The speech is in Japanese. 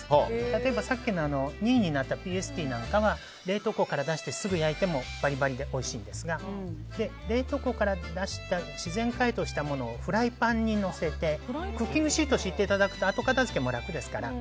例えば、さっきの２位になったＰＳＴなんかは冷凍庫から出してすぐに焼いてもバリバリでおいしいんですが冷凍庫から出した自然解凍したものをフライパンにのせてクッキングシートを敷いていただくと後片付けも楽ですから。